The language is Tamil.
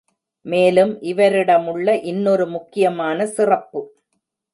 மேலும் இவரிடமுள்ள இன்னொரு முக்கியமான சிறப்பு.